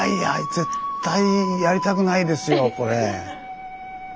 絶対やりたくないですよこれ。